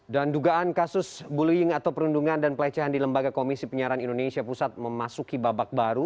dan dugaan kasus bullying atau perundungan dan pelecehan di lembaga komisi penyiaran indonesia pusat memasuki babak baru